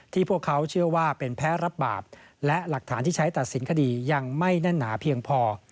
พวกเขาเชื่อว่าเป็นแพ้รับบาปและหลักฐานที่ใช้ตัดสินคดียังไม่แน่นหนาเพียงพอ